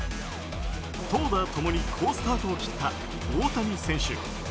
投打共に好スタートを切った大谷選手。